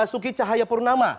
pak basuki cahayapurnama